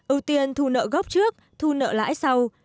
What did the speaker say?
ưu tiên thu nợ gốc trước thu nợ lãi sau